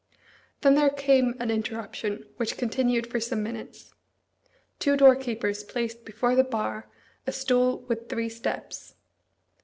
Then there came an interruption, which continued for some minutes. Two doorkeepers placed before the bar a stool with three steps.